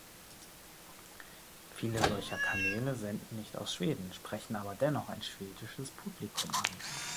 Viele solcher Kanäle senden nicht aus Schweden, sprechen aber dennoch ein schwedisches Publikum an.